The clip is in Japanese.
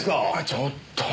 ちょっと！